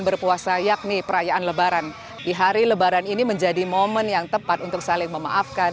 berpuasa yakni perayaan lebaran di hari lebaran ini menjadi momen yang tepat untuk saling memaafkan